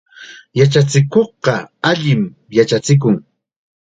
Yachachikuqqa allim yachachikun.